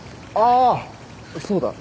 あそうだ。